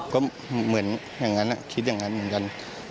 ก็เหมือนอย่างนั้นคิดอย่างนั้นเหมือนกัน